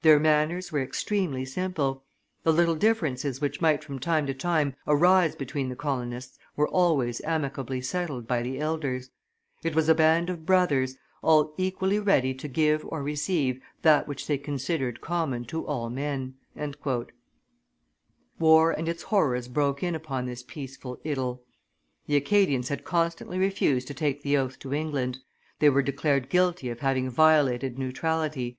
Their manners were extremely simple; the little differences which might from time to time arise between the colonists were always amicably settled by the elders. It was a band of brothers, all equally ready to give or receive that which they considered common to all men." War and its horrors broke in upon this peaceful idyl. The Acadians had constantly refused to take the oath to England; they were declared guilty of having violated neutrality.